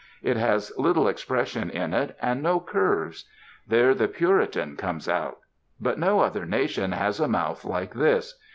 It has little expression in it, and no curves. There the Puritan comes out. But no other nation has a mouth like this.